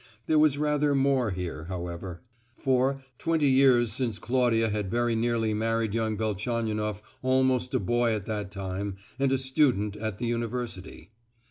There was rather more here, however; for, twenty years since Claudia had very nearly married young Velchaninoff almost a boy at that time, and a student at the university.